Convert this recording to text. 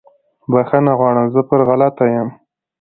بخښنه غواړم زه پر غلطه یم